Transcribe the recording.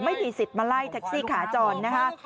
ไม่มีสิทธิ์มาไล่แท็กซี่ขาจรนะคะ